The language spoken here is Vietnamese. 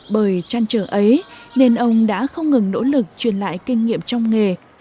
bởi trăn trở ấy nên ông đã không ngừng nỗ lực truyền lại kinh nghiệm trong nghề